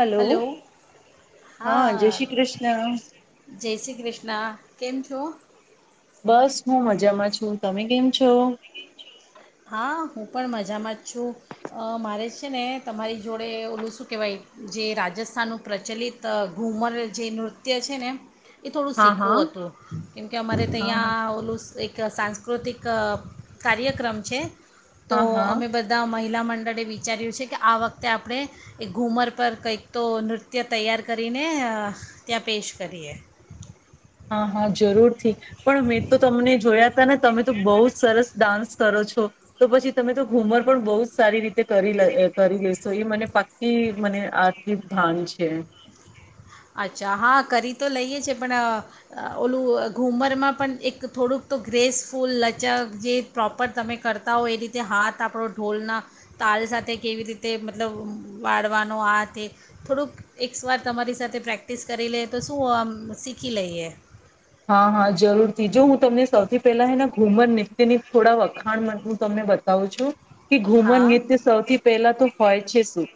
Hello હાલો, હા, જય શ્રી કૃષ્ણ, જય શ્રી કૃષ્ણ. કેમ છો? બસ હું મજામાં છું. તમે કેમ છો હા. હું પણ મજામાં જ છું. અ મારે છે ને તમારી જોડે ઓલું શું કેવાય જે રાજસ્થાનનું પ્રચલિત ઘૂમર જે નૃત્ય છે ને એ થોડું હા હા શીખવું હા હતું, કેમ કે અમારે તહીંયા ઓલું સ એક ક સાંસ્કૃતિક કાર્યક્રમ છે. તો હા હા અમે બધા અમાય મહિલા મંડળે વિચાર્યું છે, કે આ વખતે આપણે એક ઘૂમર પર કંઈક તો નૃત્ય તૈયાર કરીને અ ત્યાં પેશ કરીએ. હા, હા, જરૂરથી, પણ મેં તો તમને જોયા તા ને તમે તો બહુ જ સરસ ડાન્સ કરો છો. તો પછી તમે તો ઘુમર પણ બહુ જ સારી રીતે કરી લે કરી લેશો, એ મને પાક્કી મને આથી ભાન છે. અચ્છા હા કરી તો લઈએ છે, પણ અ અ ઓલું ઘૂમરમાં પણ એક થોડુંક તો ગ્રેસફૂલ લચક જે પ્રોપર તમે કરતા હો એ રીતે હાથ આપણો ઢોલના તાલ સાથે કેવી રીતે મતલબ વાળવાનો આ તે થોડુંક એકસ્વાત તમારી સાથે પ્રેક્ટિસ કરી લે, તો શું આમ શીખી લઈએ. હા હા, જરૂરથી, જો હું તમને સૌથી પહેલા હે ને ઘુમર નૃત્યના થોડા વખાણ હું તમને બતાવું છું. કે ઘુમર હા નૃત્ય સૌથી પહેલા તો હોય છે શું?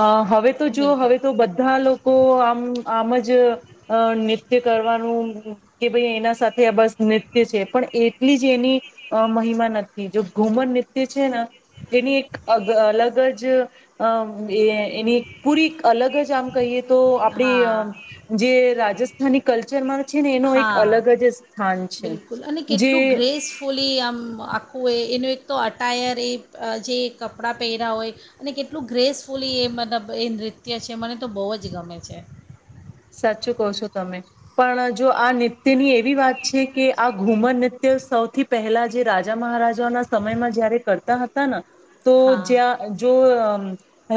અ હવે તો જો, બિલકુલ હવે તો બધા લોકો આમ આમ જ અ નૃત્ય કરવાનું કે ભાઈ એના સાથે આ બસ નૃત્ય છે, પણ એટલી જ એની મહિમા નથી. જો ઘુમર નૃત્ય છે ને તેની એક અલગ જ જ અમ એ એની પૂરી અલગ જ આમ કહીએ તો આપડી હા જે રાજસ થાની કલ્ચરમાં છે ને એનો એક હા, અલગ જ સ્થાન છે બિલકુલ અને જે કેટલું ગ્રેસફુલી આમ આખૂ એય એનું એક તો અટાયર એ જે કપડાં પહેર્યાં હોય અને કેટલું ગ્રેસફુલી એ મતલબ એ નૃત્ય છે મને તો બહુ જ ગમે છે. સાચું કહ છો, તમે પણ જો આ નૃત્યની એવી વાત છે કે, આ ઘુમર નૃત્ય સૌથી પહેલા જે રાજા મહારાજાઓના સમયમાં જયારે કરતા હતા ને તો, હા જ્યાં જો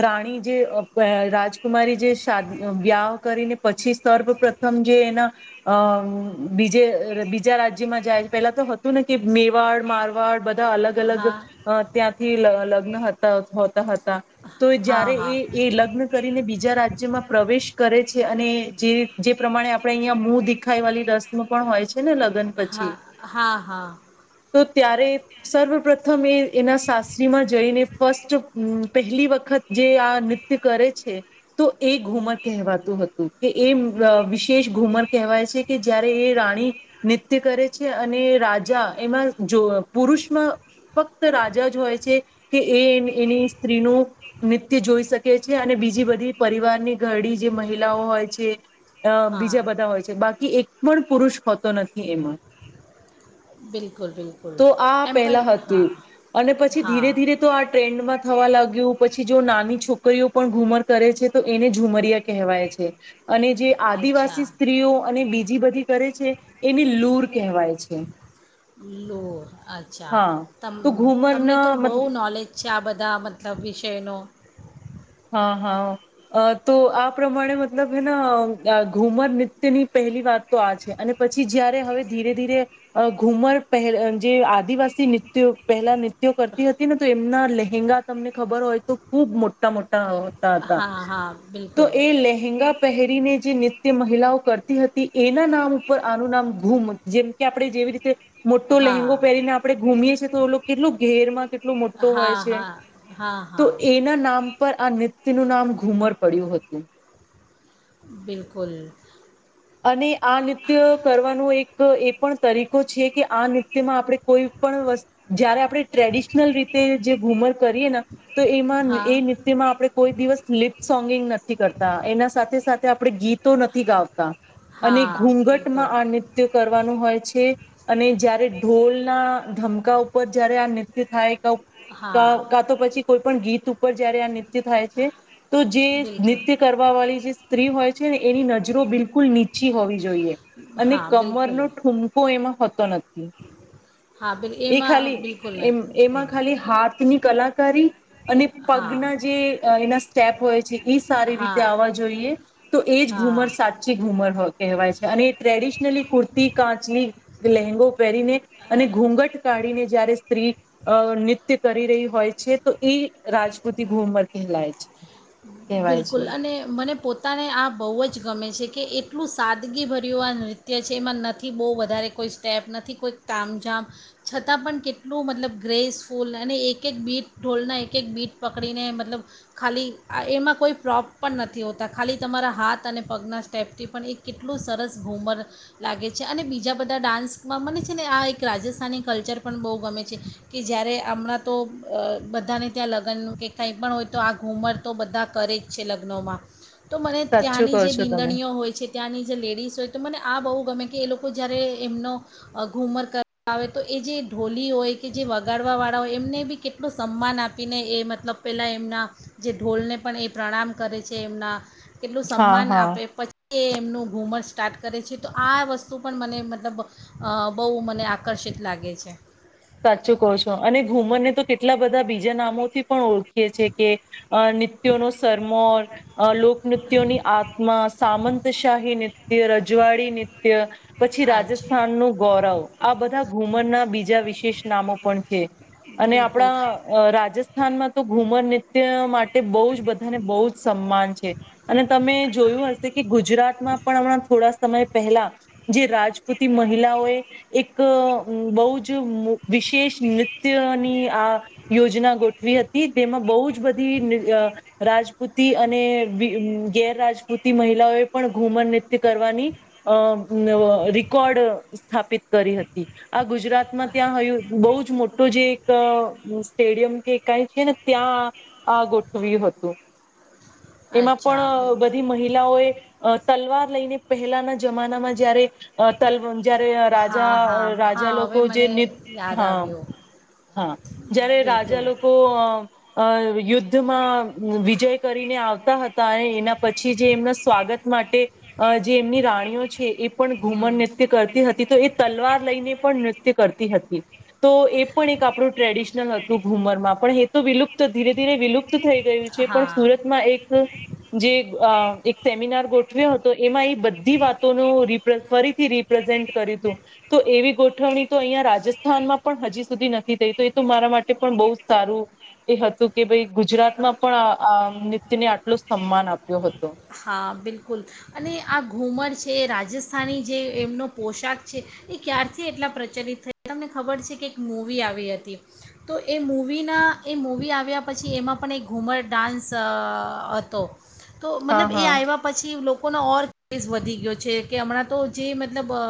રાણી જે અ રાજકુમારી જે શાદ જે વ્યાહ કરીને પછી સર્વ પ્રથમ જે એના બીજ બીજા રાજ્યમાં જાય પેલા તો હતું ને કે, મેવાડ, મારવાડ બધ અલગ અલગ હા ત્યાંથી લગ્ન હોતા હતા તો હા જયારે હા એ એ લગ્ન કરીને બીજા રાજ્યમાં પ્રવેશ કરે છે અને જે, જે પ્રમાણે આપડે અહીંયા મુંહદિખાઈ વાલી રસ્મ પણ હોય છે. છે ને લગન હા પછી. હા હા ત્યારે, સર્વ પ્રથમ એ એના સાસરીમાં જઈને ફસ્ટ જો પહેલી વખત જે આ નૃત્ય કરે છે તો એ ઘુમર કહેવાતું હતું. તું, એ વિશેષ ઘૂમર કહેવાય છે, કે જયારે એ રાણી નૃત્ય કરે છે, અને રાજા એમાં જો પુરુષમાં ફક્ત રાજા જ હોય છે, કે એ એની સ્ત્રીનું નૃત્ય જોઈ શકે છે, અને બીજી બધી પરિવારની ઘરડી જે મહિલા લાઓ હોય છે અ, બીજા બધા હા હોય છે. બાકી કી એક પણ પુરુષ હોતો નથી એમાં. બિલકુલ બિલકુલ તો આ એમ પેલા પણ હતું, હા અને પછી ધીરે હા ધીરે તો આ ટ્રેન્ડમાં થવા લાગ્યું પછી જો નાની છોકરીઓ પણ ઘૂમર કરે છે, તો એને ઝુમર્યા કહેવાય છે. છે. અને જે અચ્છા આદિવાસી સ્ત્રીઓ અને બીજી બધી કરે છે, એને લૂર કહેવાય છે લો, અચ્છા, હા તમ તો તમને ઘુમરના તો બહુ મતલબ નોલેજ છે, આ બધા મતલબ વિષયનો હ, હા. તો આ પ્રમાણે મતલબ હૈ ના, ઘૂમર નૃત્યની પહેલી વાત તો આ છે. અને પછી જયારે હવે ધીરે ધીરે ઘુમર પહે જે આદિવાસી નૃત્યો પહેલા નૃત્યો કરતી હતી ને તો એમના લહેંગા તમને ખબર હોય તો ખૂબ મો ટા મોટ્ટા હોય હતા હા હા તો બિલકુલ એ લહેંગા પહેરીને જે નૃત્ તે મહિલાઓ કરતી હતી એના નામ ઉપર આનું નામ ઘૂમ, જેમ કે આપણે જેવી રીતે મોટ્ટો હા લહેંગો પહેરીને આપણે ઘૂમીએ છે તો ઓલો કેટલું ઘેરમાં કેટલો મોટ્ટો હોય હા છે, હા હા તો હા એના નામ નૃત્યનું નામ ઘુમર પડ્યું હતું. બિલકુલ. અને આ નૃત્ય કરવાનો એક એ પણ તરીકો છે, કે આ નૃત્યમાં આપણે કોઈ પણ વસ્તુ જયારે આપણે ટ્રેડિશનલ રીતે જે ઘુમર કરીએના તો એમાં એ હા નૃત્યમાં આપણે કોઈ દિવસ લિપ સોંગિંગ નથી કરતા એના સાથે સાથે આપણેે ગીતો નથી ગાવતા. અને હા બિલકુલ ઘૂંઘટમાં આ નૃત્ય કરવાનું હોય છે. અને જયારે ઢોલના ધમકા ઉપર જયારે આ નૃત્ય થાય કાવ હા કાતો પછી કોઈ પણ ગીત ઉપ ઉપર જ્યારે આ નૃત્ય થાય છે, તો જે બિલકુલ નૃત્ય કરવાવાળી જે સ્ત્રી હોય એની નજરો બિલ કુલ નીચી હોવી જ જોઈએ અને હા કમર બિલકુલ નો ઠૂમકો એમાં હોતો નથ હા બિલ એ ખાલી એમાં બિલકુલ એમ એમાં નથી ખાલી હાથ ની કલાકારી અને હા પગના જે અ એના સ્ટેપ હોય છે ઈ સારી રીતે હા આવવા જોઈએ તો એ જ ઘૂમર હા સા સાચી ઘુમર કહેવાય છે, અને ટ્રેડિશનલી કુર્તી કાચની લેંગો પહેરીને અને ઘૂંઘટ કાઢીને જયારે સ્ત્રી અ નૃત્ય કરી રહી હોય છે તો એ રાજપૂતિ ઘુમર કહેલાય છે. કહેવાય બિલકુલ છે અને મને પોતાને આ બવ જ ગમે છે કે એ કેટલું સાદગીભર્યું આ નૃત્ય છે એમાં નથી બહુ વધારે કોઈ સ્ટેપ નથી કોઈક તામજામ છતાં પણ કેટલું મતલબ ગ્રેસફૂલ અને એક-એક બીટ ઢોલના એક એક બીટ પકડીને મતલબ ખાલી આ એમાં કોઈ પ્રોપ પણ નથી હોતા ખાલી તમારા હાથ અને પગના સ્ટેપથી પણ એક કેટલું સરસ ઘૂમર લાગે છે અને બીજા બધા ડાન્સમાં મને છે ને આ એક રાજસ્થાની કલ્ચર પણ બહુ ગમે છે કે જ્યારે હમણાં તો અ બધાને ત્યાં લગ્નનું કે કાંઈ પણ હોય તો આ ઘૂમર તો બધા કરે જ છે લગ્નોમાં. તો મને સાચું ત્યાંની કહો જે છો તમે બીંદણીઓ હોય છે ત્યાંની જે લેડીઝ ય તો મને આ બહુ ગમે કે એ લોકો જ્યારે એમનો અ ઘૂમર કરવા આવે તો એ જે ઢોલી હોય કે જે વગાડવાવાળા હોય એમને બી કેટલો સન્માન આપીને એ મતલબ પહેલાં એમના જે ઢોલને પણ એ પ્રણામ કરે છે એમના. કેટલું હા સન્માન હા આપે પછી એમનું ઘુમસ સ્ટાર્ટ કરે છે તો આ વસ્તુ પણ મને મતલબ અ બહુ મને આકર્ષિત લાગે છે. સાચું કહો છો અને ઘુમરને તો કેટલા બધા બીજા નામોથી પણ ઓળ છે કે અ નિત્યો નો શરમોર અ લોકનૃત્યોની આત્મા, સામંતશાહી નૃત્ય, રજવાડી નૃત્ય. પછી રાજસ્થાન અચ્છા નું ગૌરવ આ બધા ઘુમરના બીજા જ વિશે. ષ નામો પણ છે અને બિલકુલ આપણા રાજસ્થાનમાં તો ઘુમર ને તે માટ તે બઉ જ બધાને બઉ જ સમ્માન છે અને તમે જોયું હશે કે ગુજરાતમાં પણ હમણાં થોડા સમય પહેલાં જે રાજપૂતી મહિલાઓએ એક અ બઉ જ વિશેષ નૃત્યની આ યોજના ગોઠવી હતી તેમાં બઉ જ જ બધી રાજપૂતી અને ગેર રાજપૂતી મહિલાઓએ પણ ઘુમર નૃત્ય કરવાની અ ન રીકોર્ડ સ્થાપિત કરી હતી. આ ગુજરાત માં ત્યાં હયુ. બઉ જ મોટો જે એક અ સ્ટેડિયમ કે કાઈ છે ને ત્યાં આ ગોઠવ્યું હતું. એમાં અચ્છા પણ બિલકુલ બધી મહિલાઓએ અ તલવાર લઈને પહેલાના જમાનામાં જયારે અ તલ જયારે રાજા હા હા અ હા રાજા લોકો હવે જે મને નૃ યાદ આવ્યું હા-હા જયારે રાજા બિલકુલ લોકો અ અ યુદ્ધ દ્ધ માં વિજય કરીને આવતા હતા અને એ એના પછી જે એમના સ્વાગત માટે અ જે એમની રાણીઓ છે એ પણ ઘુમર હમ નૃત્ય કરતી હતી તો એ તલવાર લઈને પણ નૃત્ય કરતી હતી. તો એ પણ એક આપણું ટ્રેડિશનલ હતું ઘુમરમાં પણ, એ તો વિલુપ્ત ધીરે-ધીરે વિલુપ્ત થઈ ગયું છે, હા પણ સુરતમાં એક જે અ એક સેમિનાર ગોઠવ્યો હતો એમાં એ બધી વાતોનો રિ ફરીથી રિપ્રેઝેન્ટ કર્યું તું, તો એવી ગોઠવણી તો અઈયા રાજસ્થ થાનમાં પણ હજી સુધી નથી થઈ, તો એ તો મારા માટે પણ બઉ સારું એ હતું કે ભઈ ગુજરાતમાં પણ આ આ નુત્યને આટલું સમ્માન આપ્યો હતો. હા બિલકુલ સ્થાની જે એમનો પોશાક છે એ ક્યારથી એટલા પ્રચલિત થયા તમને ખબર છે, કે એક મૂવી આવી અતી, તો એ મૂવીના એ મૂવી આવ્યા પછી એમાં પણે ઘૂમર ડાન્સ અઅઅ અતો. તો હા મતલબ એ હા આય્વા પછી લો લોકોનો ઓર [unintelligible] વધી ગયો છે કે અમણાં તો જે મતલબ અ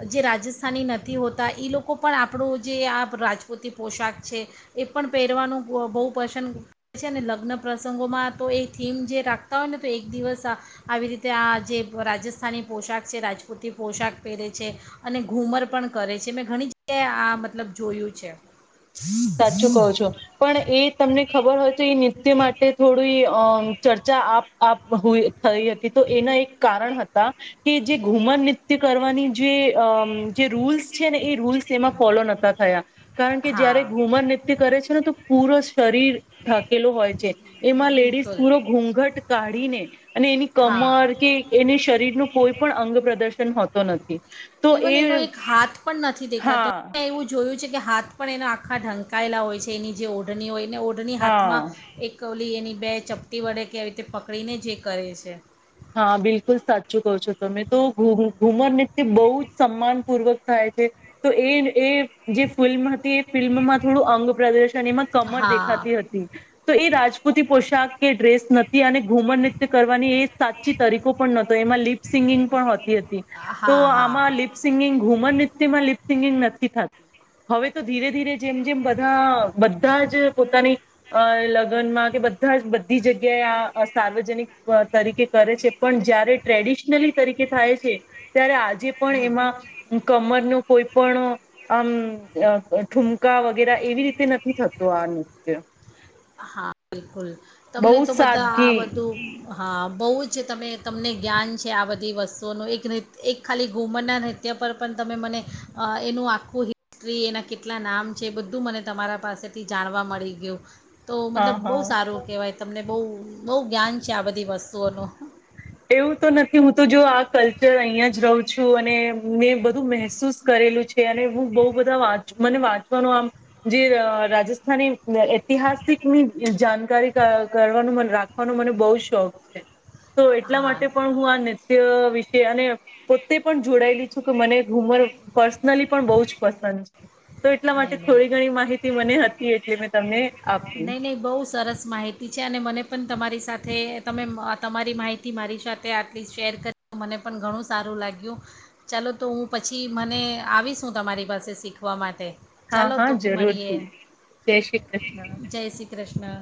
અ જે રાજસ્થાની નથી હોતા, એ લોકો પણ આપણું જે આ પ રાજપૂતી પોશાક છે એ પણ પેરવાનું બો બઉ પસંદ છેને લગ્ન પ્રસંગોમાં તો એ થીમ જે રાખતા હોય ને, તો એક દિવસ આ આવી રીતે આ જે રાજસ્થાની પોશાક છે રાજપૂતી પોશાક પહેરે છે અને ઘૂમર પણ કરે છે, મેં ઘણી જગ્યાએ આ મતલબ જોયું છે. સાચું કહો છો પણ એ તમને ખબર હોય તે નિત્ય માટે થોડું એ અ ચર્ચા આપ આપ હોય. થઈ અતી, તો એના એક કારણ હત તા કે જે ઘૂમર નિત્ય કરવાની જે અ અમ જે રૂલ્સ છે ને એ રૂલ્સ એમાં ફોલો નતા થયા, કારણ કે જયારે હા ઘૂમર નિત્ય કરે છે ને તો પૂરો શરીર થાકેલુ હોય છે, એમાં લેડીઝ બિલકુલ પૂરો ઘૂંઘટ કાઢીને અને એની હા કમર કે કેની શરીરનું કોઈ પણ અંગ પ્રદર્શન હો તો નથી તો ઇવન એ એનો એક હાથ પણ નથી દેખાતો, હા મે એવું જોયું છે. કે હાથ પણ એ આખા ઢંકાયેલા હોય છે, એની જે ઓઢની હોય નેઞઓઢની હાથમાં હા એક તે એની બે ચપટી વડે કે એવી રીતે પકડીને જ એ કરે છે. હાં, બિલકુલ સાચું કહો છો, તમે તો ઘુ ઘુમર નુત્ય બઉ જ સમ્માનપૂર્વક થાય છે તો એ એ જે ફિલ્મ હતી, એ ફિલ્મમાં થોડું અંગ પ્રદર્શન એમાં કમર હા દેખાતી હતી. તો એ રાજપૂતી પોશાક કે ડ્રેસ નથી અને ઘુમર નૃત્ય કરવાની એ સાચી તરીકો પણ નતો, એમાં લિપ સિંગિંગ પણ હોતી અતી, તો હા હા આમાં લિપ સિંગિંગ ઘુમર નિત્યમાં લિપ સિંગિંગ નથી થાત, હવે તો ધીરે ધીરે જેમ જેમ બધા બધા જ પોતાની અ લગનમાં કે બધા જ બધી જગ્યાએ આ અ સાર્વજનિક [unintelligible] તરીકે કરે છે પણ જયારે ટ્રેડિશનલી તરીકે થાય છે, ત્યારે આજે પણ હમ એમાં કમરનું કોઈ પણ આમ અ અ ઠુમકા વગેરા એવી રીતે નથી થતુ આ નુત્ય. હા બિલકુલ તમને તો બધા આ સાદગી બધું હા બહુ જ તમે તમને જ્ઞાન છે આ બધી વસ્તુઓનું એક નૃત્ય એક ખાલી ઘુમરના નૃત્ય પર પણ તમે મને એનું આખું હિસ્ટ્રી એના કેટલા નામ છે બધું મને તમારા પાસેથી જાણવા મળી ગયું. તો હા મતલબ બહુ હા સારું કેવાય તમને બહુ બહુ જ્ઞાન છે આ બધી વસ્તુઓનું એવું તો નથી હું તો જો આ કલ્ચર અહિયાં જ રહું છું અને મે બધું મહેસૂસ કરેલું છે. તે અને હું બહુ બધા વાત મને વાંચવાનો આમ જે અ રાજસ્થાની ઐતિહાસિકની જાણકારી કર કરવાનું મને રાખવાનો મને બહુ શોખ છે. તો એટલા હા માટે પણ હું આ નૃત્ય વી છે અને પોતે પણ જોડાયેલી શું કે મને ઘુમર પર્સ- નલી પણ બહુ જ પસંદ છે. તો એટલા નહીં માટે નહીં થોડી ઘણી માહિતી મને હતી, એટલે મેં તમને આપી. નહીં નહીં બહુ સરસ માહિતી છે અને મને પણ તમારી સાથે તમે તમારી માહિતી મારી સાથે આટલી શેર કરી મને પણ ઘણું સારું લાગ્યું. ચાલો તો હું પછી મને આવીશ હું તમારી પાસે શીખવા માટે. હા, ચાલો હા, તો મળીએ જરૂરથી. જય શ્રી કૃષ્ણ. જય શ્રી કૃષ્ણ